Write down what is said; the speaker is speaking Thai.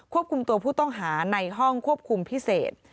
คุมตัวผู้ต้องหาในห้องควบคุมพิเศษ